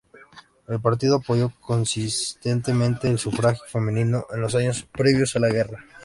El partido apoyó consistentemente el sufragio femenino en los años previos a la guerra.